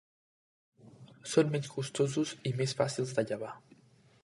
Són menys costosos i més fàcils de llevar.